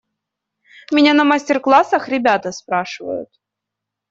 Меня на мастер-классах ребята спрашивают.